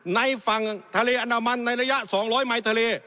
ในฝั่งทะเลอันดามันในระยะ๒๐๐ไมค์ทะเล